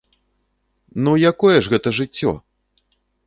Ну, якое ж гэта жыццё!